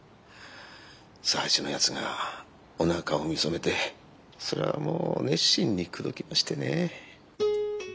佐八のやつがおなかを見初めてそりゃもう熱心に口説きましてね。